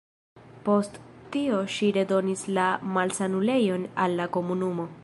Post tio ŝi redonis la malsanulejon al la komunumo.